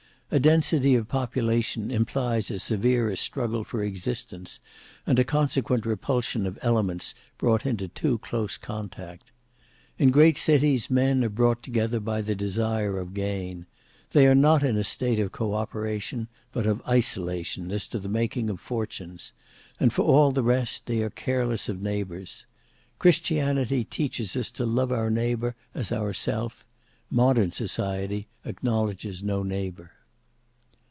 A density of population implies a severer struggle for existence, and a consequent repulsion of elements brought into too close contact. In great cities men are brought together by the desire of gain. They are not in a state of co operation, but of isolation, as to the making of fortunes; and for all the rest they are careless of neighbours. Christianity teaches us to love our neighbour as ourself; modern society acknowledges no neighbour."